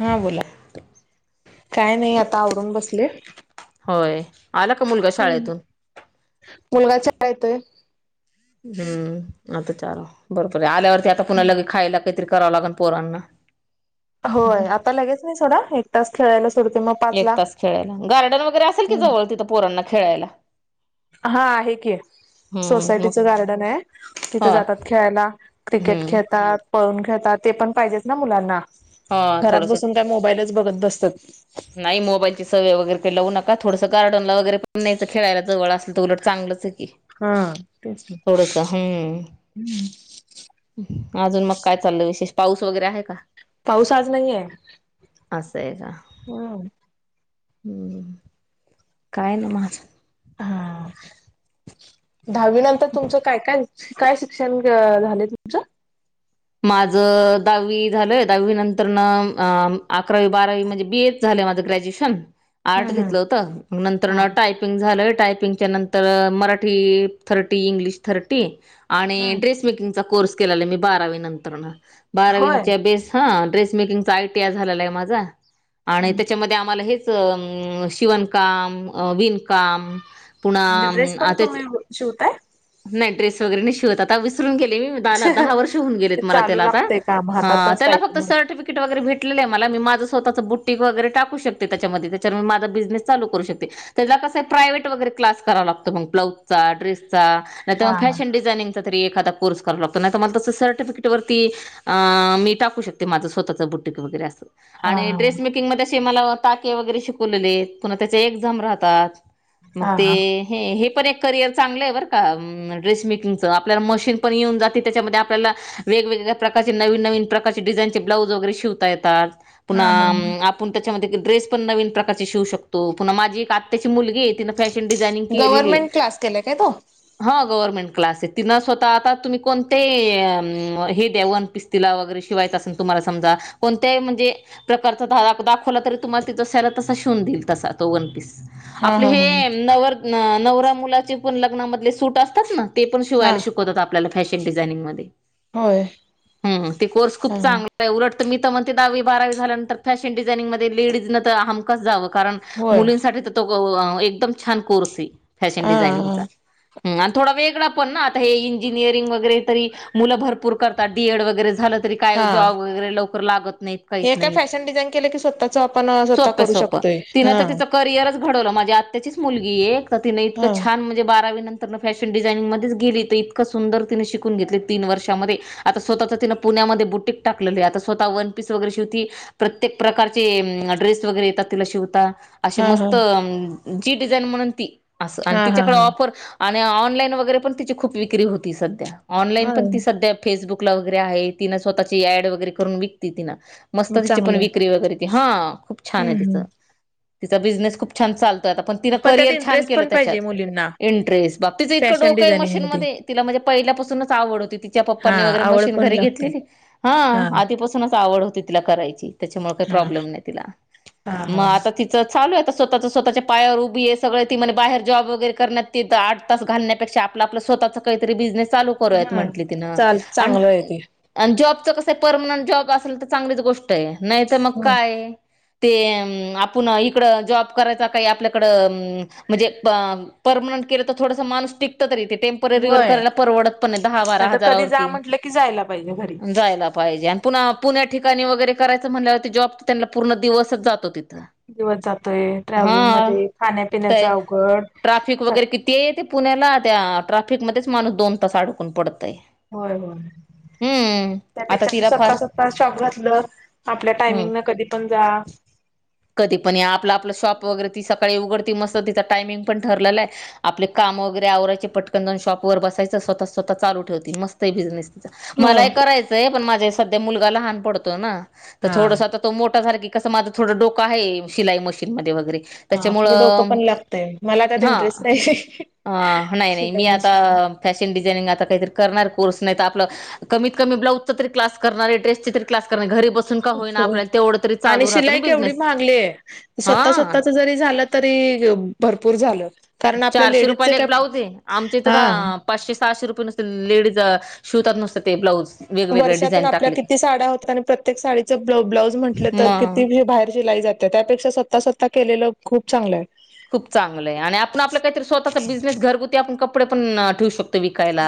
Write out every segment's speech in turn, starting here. हा बोला काय नाही आता आवरून बसले. होय आला का मुलगा हम्म शाळेतून? मुलगा येतोय. हम्म आता ल बरोबर आहे आल्यावरती आता पुन लगे खायला काहीतरी करावं लागेल पोरांना [unintelligible] होय आता लगेच नाही सोडा एक तास खेळायला सोडते मग पाच एक ला तास खेळायला गार्डन वगैरे असेल की हम्म जवळ तिथं पोरांना खेळायला हा आहे की. हम्म मग सोसायटीचं गार्डन आहे, तिथे हा जातात खेळायला, क्रिकेट हम्म खेळतात पळून घेेतात ते पण पाहिजेच ना मुलांना हा घरात थोडस बसून काय मोबाईलच बघत बसतात. नाही मोबाईलची सव वगैरे लावू नका थोडंसं गार्डन वगैरे पण नाहीयच खेयला, जवळ असलं तर उलट चांगलंच ये हा तेच ना थोडस हम्म. अजून मग काय चाललं विशेष पाऊस वगैरे आहे का. पाऊस आज नाहीये. असं आहे का हम्म काय ना माझ हा दहावी नंतर तुमचं काय काय काय शिक्षण ग झाले तुमचं माझ दहावी झालंय, दहावी नंतर मंग अकरावी बारावी म्हणजे बीए च झा माज ग्रॅज्युशन आर्ट्स हम्म घेतलं होत नंतर हम्म ना टायपिंग झालं टायपिंग त्याच्या नंतर मराठी थर्टी इंग्लिश थर्टी हा आणि ड्रेस मेकिंगचा कोर्स केलेला मी बारावी नंतर मग होय बारावीच्या बेस हं. ड्रेस मेकिंगचा आयटीआ झालेला आहे, माझा आणि त्याच्यामध्ये आम्हाला हेच उम्म्म शिवणकाम विणकाम पुण म्हणजे उम्म्म ड्रेस पण आताच तुम्ही शिवताय नाही ड्रेस वगैरे नाही शिवत आता विसरून गेले मी, दला दहा ते वर्ष होऊन गेलेत मला चालू त्याला आता लागतय काम हा हातातच त्याला पाहिजे फक्त मग. सर्टिफिकेट वगैरे भेटलेलं आहे मला मी माझं स्वतःच बुटीक वैगेरे टाकू शकते, त्याच्या मध्ये त्याच्यामुळे माज बिझनेस चालू करू शकते, त्या कसं आहे प्रायव्हेट वैगेरे क्लास कराव लागत मग ब्लाउज चा ड्रेस चा नायतर हा मंग हा. फॅशन डिजाईन चा एखादा कोर्स कराव लागत नाय तर म सर्टिफिकेट वर्ती अ मी टाकू शकते माझं स्वतः [unintelligible] [unintelligible] हा आणि ड्रेस मेकिंगमध्येध्ये असे मला टाके वगैरे शिकवलेले पुन्हा त्याचे एक्झाम राहतात मग हा ते हा. हे पण एक करियर चांगलं आहे बर का म ड्रेसमेकिंगच आपल्या मशीन पण येऊन जात त्याच्या मध्ये आपल्याला वेगगळ्या प्रकारचे नविन नविन नविन प्रकारची डिजाईनची ब्लाउज वैगेरे शिवता येतात हा पुन्हा हा. आपुन पण त्या मध्ये ड्रेस पण नवीन प्रकारची शिवू शकतो पुन्हा माझी एक आत्याची मुलगी हे ती फॅशन डिझायनिंग की केलेली गव्हर्नमेंट क्लास केलाय काय तो? गव्हर्मेंट क्लासेस तिन स्वतः आता तुम्ही कोणतेही उम्म्म हे द्या वनपीस तिला वैगेरे तुम्हाला समजा कोणत्याही म्हणजे प्रकरचा धागा दाखवला तर [unintelligible] शिवून देईल तसा तो वनपीस हा आपले हा ह हे नवर नवरा मुलाचे पण लग्नामधले सूट असतात ना ते पण हा शिवायला शिकवतात आपल्याला फॅशन डिझायनि मध्ये होय हम्म ते कोर्स हा खूप चांगला आहे उलट मी तर म्हणते दहावी बारावी झाल्यानंतर फॅशन डिझायनंग मध्ये लेडीज ने त हमकाज जावं कारण होय मुलींसाठी तर तो गव एकदम छान कोर्स हे फॅशन हा हा. डिझानिंगचा हम आणि थोडा वेगंला पण ना आता हे इंजिनिरंगर वैगेरे तरी मुलं भरपूर करतात डीएड वगरे झाल तरी काय हा जॉब वगैरे लवकर लागत नाही काहीच हे काय नाही फॅशन डिझाईन केलं की स्वतःच आपण स्वतः सोप करू सोप शकतोय तिन हा. तर तिच करियरच घडवलं आताचीच मुलगी तर ति हा इकं छान म्हणजे बारांवी नंतर ॅशन डिझान गेली तर इतक सुंदर तिने शून घेत तीन वर्षा आ स्वतः मध्ये बुटीक टाकलेली ये आता स्वतः वन पीस वैगेरे शिवती प्रत्येक प्रकार च्या ड्रेस वैगेरे येतेय अशी हा मस्त हा जी देसाईन म्हणाल ते हा शिवती हा हा आणि ऑनलाईन वगैरे पण तिची खूप विक्री होती सध्या ऑनलाईन पण होय ती सध्या फेसबुक कला वगैरे आहे तिं स्वतःची अड वगैरे करून विकती तिं मस्त मग तिची पण चांगलंय विक्री वगैरे ती हा खूप छान हम्म आहे तिचं हम्म. तिचा बिझनेस खूप छान चालतोयता पण तिन त्यात करिअर छान इंटरेस्ट केलं पण त्याच्यात पाहिजे मुलींना इंटरेस्ट बाप तिचं इतं फॅशन डोकं आहे डिझायनिंग मशीन मध्ये तिला म्हणजे पहिल्यापासूनच आवड होती तिच्या हा पप्पनी वगैरे आवड मशीन पण घरी लागते. घेतलेली हा आधीपासूनच आवड होती तिला करायची त्याच्यामुळे काही हा प्रॉब्लेम नाही तिला हा मग हा. आता तिचं चालू आहे स्वतःच्या स्वतःच्या पायावर उभी आहे सगळं ती म्हने बाहेर जॉब वगैरे करण्यात घालण्यापेक्षा आपलं आपला स्वतचा काहीतरी बिझनेस चालू करायचं हा म्हटली तीना चाल चांगलं आहे ते कस परमनंट जॉब असेल तर चांगलीच गोष्ट आहे नाही तर मग हम्म. काय ते आपण इकडं जॉब करायचा काही आपल्याकडे म्हणजे परमनट के थोड माणस टिकत तरी टेम्पररीवर होय करायला परवडत पण दहा बारा नाहीतर कधी जा हजारावरती म्हटलं की जायला पाहिजे घरी जायला पाहिजे पुन्हा पुण्या ठिकाणी वगैरे करायचं म्हणल्यावर ते जॉब त्यांना पूर्ण दिवसच जात हो दिवस जातोय ट्रॅव्हलिंग मध्ये खाण्यापिण्याच अवघड ट्राफिक वगैरे किती ते ते पुण्याला त्या ट्रॅफिकमध्येध्येच माणूस दोन तास अडकून पडत होय होय आता त्यापेक्षा तिला स्वत फार स्वत शॉप घातलं आपल्या हम्म टायमिंग न कधी पण जा कधी पण या आपला आपलं शॉप वगैरे ती सकाळी उघडती मस्त तिचा टाइमिंग पण ठरलेलं आहे आपले काम वगैरे आवरायचे पटकन शॉप वर बसायचं स्वतः स्वतः चालू ठेवती मस्त तिचा बिझनेस मलाही हा करायचंय पण माझा सध्या मुलगा लहान पडतो ना तर हा थोडस आता तो मोठा सारखी कसं माझं थोड डों आहे शिलाई मशीन मध्ये वगैरे हा आपलं डोकं त्याच्यामुळं पण लागतय मला त्यात हा इंटरेस्ट नाही अ नाही-नाही शिलाई मी आता मशीन फॅशन डिझाइनिंग आता काहीतरी करणार कोर्स नाईतर आपल कमीत-कमी ब्लाउज तरी क्लास करणार. ड्रेस तरी क्लास करणार. बसून का होईना. आपल्याला तेवढं तरी चालू राहत ना बिझनेस. ले स्वतः हा स्वतःच झाल तरी. भरपूर झाल. कारण आपल्या चारशे लेडीस च. रुपयाला एक ब्लाउज आहे. आमच्या इथ पाचशे-सहाशे रुपये नुसते लेडीज शिवतात नुसते ते ब्लाऊज. वेगवेगळ्या वर्षातून डिझाईन आपल्या टाकले किती की साड्या होतात. आणि प्रत्येक साडीचं ब्लाउज म्हटलं तर मग किती बाहेर शिलाई जाते. त्यापेक्षा स्वतः-स्वतः केलेलं खूप चांगलं आहे. खूप चांगलं आहे. आणि आपण आपलं काहीतरी स्वतःचा बिझनेस घरगुती आपण कपडे पण ठेवु शकतो विकायला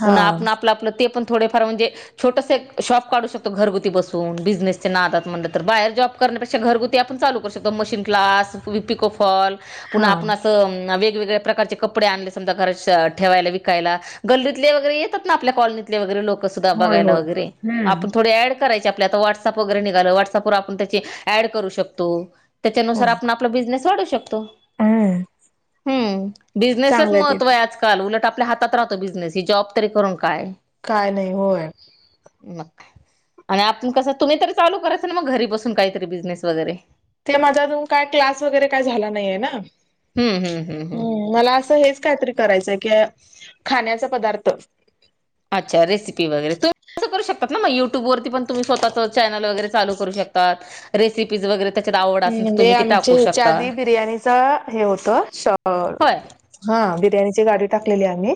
हा आपण आपलं आपण ते पण तोड फार म्हणजे छोटस एक शॉप काढू शकतो घरगुती बसून बिझनेसचे नादात म्हटलं तर बाहेर जॉब घरगुती आपण चालू करून शकतो मशीन क्लास पिको, फॉल हा वेगवेगळ्या प्रकारचे कपडे आणले समजा घरात ठेवायला, विकायला गल्लीतले वगैरे येतात ना आपल्या कॉलनीतले लोक कस होय बगायला होय वैगेरे हम्म. आपण थोड ऍड करायची आपल्या आता व्हॉट्सअप वगैरे निघालं व्हॉट्सअपवर आपण त्याची ऍड करू शकतो. हो त्याच्यानुसार आपण आपला बिझनेस वाढवु शकतो. [unintelligible] हम. बिझनेसलाच चांगलं ते महत्त्व आहे आजकाल, उलट आपल्या हातात राहतो बिझनेस ही जॉब तरी करून काय काय नाही होय. मग आणि आपण कस तुम्ही तर चालू कराच ना मग घरी बसून काहीतरी बिझनेस वगैरे ते माझा अजून काय क्लास वगैरे काय झाला नाहीये ना. हम्म मला असं हेच काहीतरी करायच आहे क खाण्याचा पदार्थ. करतात ना मग युट्युब वरती तुम्ही स्वतःचं चैनल वगैरे चालु करु शकतात रेसिपी म्हणजे आमच हेच्या शकता आधी बिर्याणीच हे होत अ होय हा बिर्याणीची गाडी टाकलेली आम्ही,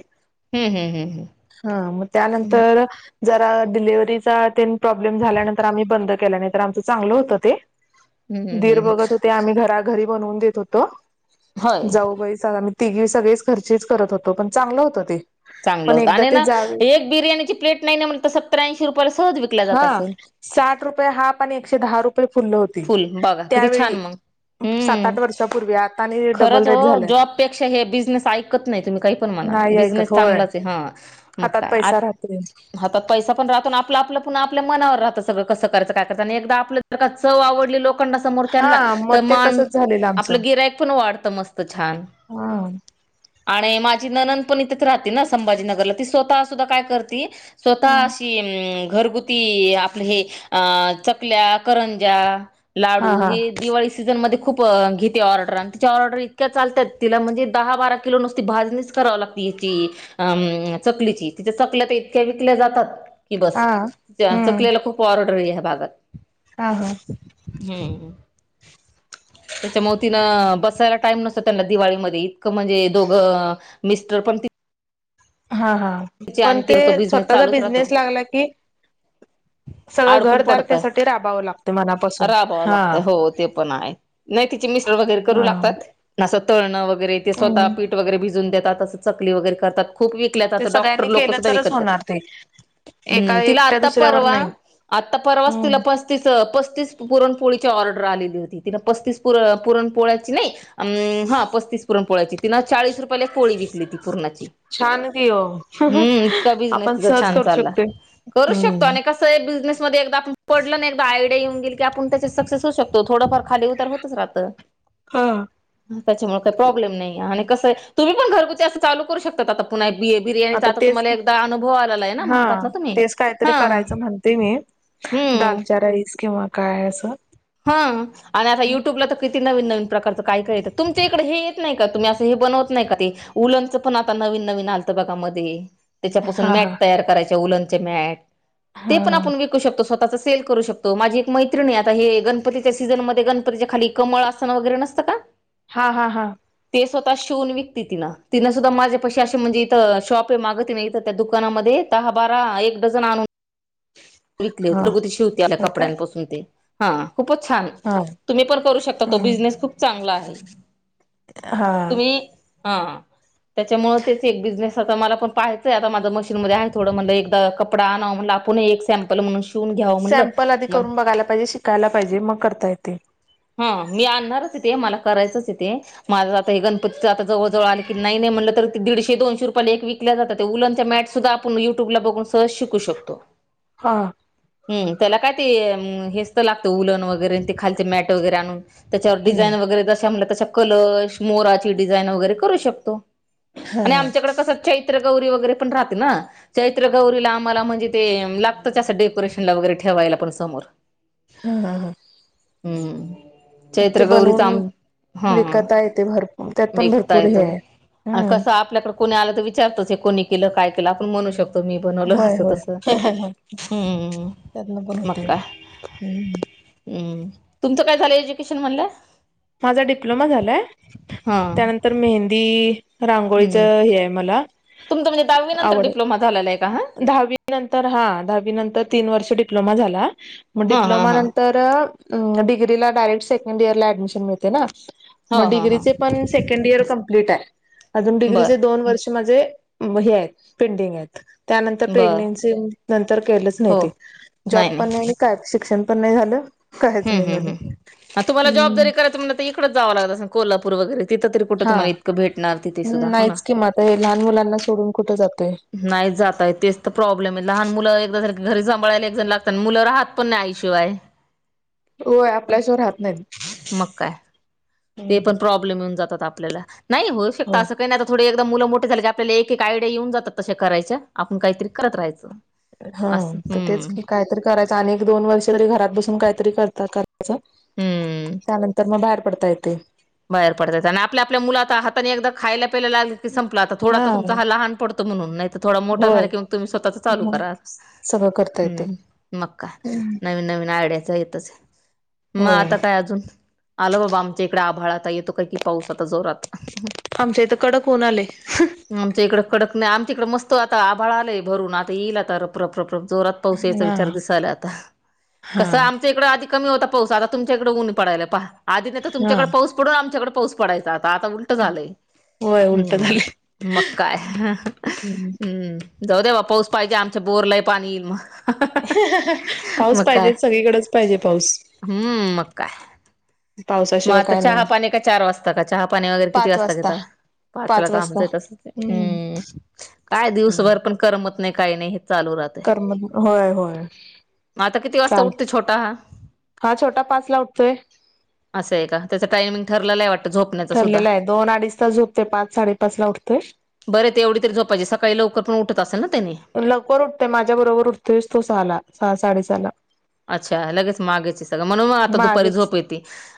हम्म हम्म हम्म हा मग हम्म त्यानंतर जरा डिलिव्हरीचा तेन प्रॉब्लेम झाल्यानंतर आम्ही बंद केला नाही तर आमचं चांगलं होतं ते [inaudible] हम्म दीर हम्म. बघत होते. आम्ही घरा घरी बनवून देत होतो. होय जाऊबाई तिघी सगळेच घरचेच करत होतो पण चांगलं होतं ते चांगलं पण होत एकदा आणि ते ना जावे एक बिर्याणीची प्लेट नाही ना म्हणत सत्तर, ऐंशी रुपयाला सहज विक हा. साठ रुपये हाप आणि एकशे दहा रुपये फुल होती फुल बघा किती छान त्यावेळी मग सात हम्म आठ वर्षापूर्वी आता आणि खरंच डबल ओ रेट झाल्यात जॉब हे पेक्षा बिजनेस ऐकत नाही तुम्ही काही म्हणा. नाही बिझनेस ऐकत होय चांगलाच आहे. हा मग हातात काय पैसा राहत नाही. हातात पैसा पण राहतो आणि आपलं, आपल आपल्या मनावर राहतं सगळं कसं करायचं, काय करायच आणि एकदा आपली जर का चव आवडली लो खंदा समोरच्यांना हा मग तर ते मान तसच झालेलं आमचं आपलं गिर्यायक पण वाढतं मस्त, छान. हा. आणि माझी नणंद पण इथच राहती ना संभाजीनगरला ती स्वतः सुद्धा काय करती स्वतः हा अशी अ घरगुती आपले हे अ चकल्या, कर ज्या, हा लाडू हा. हे दिवाळी सीज खुप घेते ऑर्डर आणि ति ऑर्डर इतक्या चालतात तिला म्हणजे दहा, बारा किलो नुसती भाजणीच कराव लागती. अ चकलीची तिच्या चकल्या तर इतक्या विकल्या जातात कि बस हा हम्म चकलीला खूप ऑर्डर आहे या भागात. हा हा हो हो. त्याच्या मुळ तिनं बसायला टाइम नसतो त्यांना दिवाळीमध्ये इतकं म्हणजे दोघं मिस्टर पण हा हा तिची पण आणि ती ते तो बिझनेस स्वतःचा चालूच राहतो बिझनेस लागला की [inaudible] सगळं अडकून घरदार पडतय, त्यासाठी राबावं लागते मनापासून राबाव हा लागतय हो ते पण आहे नाही तिचे मि स्टर वगैरे करू हा लागतात. तळण वगैरे ते स्वतः हम्म पीठ वगैरे भिजून देतात, अस चकली वगैरे करतात खूप घेतल्यात ते आता डॉ. सगळ्यांनी लोक केलं सुद्धा विकत तरच घेतात. होणार ते एका हम् तिला एकट्या आता दुसऱ्यावर परवा नाही आता परवाच तिला हम्म पस्तीस पस्तीस पुरणपोळी ऑडर आलेली तिला पसतीस पोळ ह्याची नई पसतीस पोळ्याची. चाळीस रुपयाला पोळी विकली ती पूरनाची. छान की ओ. हम् इतका बिझनेस तिचा छान चालला शकतोय करू शकतो हम्म आणि कस बिझनेस. एकदा आपण पडलं एकदायडया येऊ गेल की आपण त्याचे सक्सेस हो शकतोथोडंफार. खाली उतार होतच राहत हा त्याच्यामुळे काही प्रॉब्लेम नाही. कसं तुम्ही पण घरगुती असं चाल करू शकात आता पु बि बिरयाणी. आता हा तुम्ही तेच काहीतरी हा करायचं म्हणते मी. हम्म दालच्या राईस किंवा काय असं. हा आणि आता युट्यूबला तर कि.. नवीन नवीन प्रकारच काय काय य तुमच्या इकडे हे येत नाही का तुम्ही असं हे बनवत नाही का ते उचंण आता न नवीन नवीन आलतं बघामध्ये. त्याच्यापासून हा हा मॅट तयार करायचे उलंचे मॅट हा ते पण आपण विकू शकतो स्वतः सेल करू शकतो माझी एक मैत्रणी आता हे. गणपतीच्या सीझन मध्ये गणपतीच्या खाली कमळसन वगैरे नसतं का. हा हा हा ते स्वतः शिवून विकती तिं तिनं सुद्धा माझ्या पशी अे म्हणजे इथं शॉप मागत ना इथं त्या दुकानामध्ये. दहा बारा एक डझन आणनून. विकली होती हा रघुती शिवती आपल्या होय काय कपड्यांपासून ते हा खूपच छान हा तुम्ही पण करू शकता तो हम्म बिझनेस खूप चांगला आहे. हा. तुम्ही हा. त्याच्यामुळे तेच एक बिझनेस आता मला पण पाहायंय आता माझं मशीनमध्ये आहे थोडं म्हटलं एकदा कपडा आणावा म आपण एक सॅम्पल म्हणून शिवून घ्यावं म्हणलं सॅमपल आधी मग करून बघायला पाहिजे शिकायला पाहिजे मग करता येतय. हा मी आणणारच इथे मला करायचंच इथे माझं आता हे गणपती आता जवळ जवळ आलं की नाई नाई म्हणलं तर ती दीडशे दोनशे रुपयाला एक विकल्या जातात उलट आमच्या मॅट सुद्धा आपण युट्यूबला बघून सहज शिकू शकतो. हा हम्म त्याला काय ते हेचतर लागत उलण वगैरे ते खालचे मॅट वगैरे आणून त्याच्यावर हम्म डिझाईन वगैरे जशा म्हटल्या तश्या कलर मोराची डिझाईन वगैरे करू शकतो. हा आणि आमच्याकडे कस चैत्र गौरी वगैरे पण राहते ना चैत्र गौरीला आम्हाला म्हणजे ते ला तच अस डेकोरेशनला वगैरे ठेवायला पण समोर. ह हा हा. हम्म ते चैत्र गौरीचा बनवून हा विकता येते भरपूर त्यात पण विकता भरपूर येत हे आहे हम्म कसं आपल्याकड कोणी आलं तर विचारतच हे कोणी केलं काय केलं आपण म्हणू शकतो मी बनवलं होय अस होय तसं. हम्म त्यातन पण मग होते का हम्म. हम्म तुमचं काय झालं एज्युकेशन म्हटला? माझा डिप्लोमा झालाय हा त्यानंतर मेहंदी रांगोळीच हे आहे मला. तुमच म्हणजे दहावी नंतर आवड डप्लोमा झालेला आहे का हा? दहावी नंतर हा दहावी नंतर तीन वर्ष डिप्लोमा झाला. मग हा हा डिप्लोमा हा नंतर डिग्रीला डायरेक्ट सेकंड इयरला ऍडमिशन मिळते ना. हो मग हा हा डिग्रीचे पण सेकंड इर कंप्लीट ए अजून बर डिग्रीचे दोन वर्ष ते माझे हे हायत पेंटिंग हायत. त्यानंतर बर प्रेग्नेन्सी नंतर केलंच नाही हो ते जॉब पण नाही काय शिक्षण पण नाही झालं. काहीच हम्म नाही हम्म झालं. हम्म तुम्हाला जॉब जरी हम्म. करायं म्हटलं इकडच जावं लागत अस कोल्हापूर वगैरे तिथ तरी कुठ तुम्हाला इतकं भेट हुं नाहीच कि म आता हे लहान मुलांना सोडून कुठं जात नाही जातायेत तेच तर प्रॉब्लेम ए लहान मुलं एकदा जर घरी सांभाळायला एकजण लागत, मुलं राहत पण नाही आईशिवाय. होय आपल्याशिवाय राहत नाहीत. मग काय, ते पण प्रॉब्लेम येऊन जातात आपल्याला. नाही होऊ शकत, हो असं काय नाय आता थोडे मुलं मोठे झाले की आपल्याला एक एक आयडिया येऊन जातात, तस्या करायच्या आपण काहीतरी करत राहायचं. हा असं तर तेच हम्म की कायतरी करायचं आणि एक दोन वर्ष तरी घरात बसून काहीतरी करता कर च हम्म त्यानंतर मग बाहेर पडता येतय. बाहेर पडता येत आणि आपल्या, आपल्या, मुलं आता हाताने एकदा खायला प्यायला लागल की संपला आता, थोडा आता तुमचा हा लहान पडत तो म्हणून नाही त थोडा मोठा झाला होय. की मग तुम्ही स्वतःच चालू मग करा. सगळं करता येते. हूं मगकाय हम्म. नवीन नवीन आयड्या च येत च म होय. आता काय अजून, आलं बाबा आमच्या इकड आभाळात तो काय की पाऊस आता जोरात आमच्या इथं कडक ऊन आलय. आमच्या ईक कडक नाई आमच्या इकडे मस्त आता आभळ आलय भरून आता येईल आता रप रप रप. जोरात पाऊस येयांचा हा विचार दिसाला आता कसं हा आमच्याइकड आधी कमी होता पाऊस, आता तुमच्याकडे ऊन पडायला पहा, आधी नाही त तुमच्याकडे पाऊस पडून आमच्याकडे पाऊस पडायचा आता उलट झालंय होय उलट हूं झालय. मग काय हूं! जाऊ दे बा पाऊस पाहिजे, आमच्या बोरलाय पाणी येईल मग पाऊस मग काय पाहिजे सगळीकडच, पाहिजे पाऊस. हम्म मग काय मग पावसाशिवाय आता काय चहा नाही. पाणी का चार वाजता का चहा पाणी वगैरे किती वाजता घेता? पाचला पाच त वाजता आमचं तसच हम्म हाय, काय दिवसभर पण करमत नाही काही नाही. चालू राहतय. कर्म होय, होय. आता किती वाजता चालत उठते छोटा हा? हा छोटा पाच ला उठतोय. असं का त्याचा टायमिंग ठरलाय वाट ठरलेलं आहे दोन अडीच तास झोपतोय, पाच साडेपाच ला उठतोय. बरे ते एवढी तरी झोपायची सकाळी लवकर पण उठत असेल ना त्यानी? लवकर उठतोय, माझ्या बरोबर उठतोयच तो सहाला, सहा साडेसहा ला अच्छा लगेच मागेच सगळं, म्हणून मग आता दुपारी मागेच झोप येती